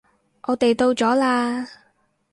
我哋到咗喇